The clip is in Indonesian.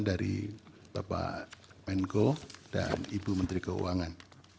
dari bapak menko dan ibu menteri keuangan